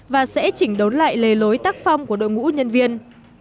và sẽ chỉnh đốn lại lề lối tác phong của đội ngũ nhân viên